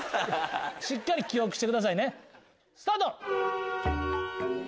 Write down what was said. しっかり記憶してくださいねスタート！